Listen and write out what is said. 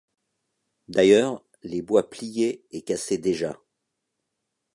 D’ailleurs, les bois pliaient et cassaient déjà.